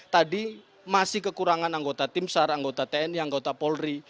tadi masih kekurangan anggota tim sar anggota tni anggota polri